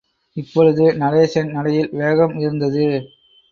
இப்பொழுது, நடேசன் நடையில் வேகம் இருந்தது.